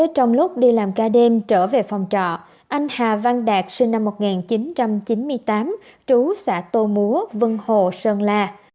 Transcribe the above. trong lúc đi làm ca đêm trở về phòng trọ anh hà văn đạt sinh năm một nghìn chín trăm chín mươi tám trú xã tô múa vân hồ sơn la